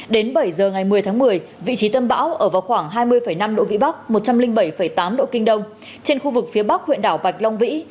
đến bảy giờ ngày một mươi tháng một mươi vị trí tâm bão ở vào khoảng hai mươi năm độ vĩ bắc một trăm linh bảy tám độ kinh đông trên khu vực phía bắc huyện đảo bạch long vĩ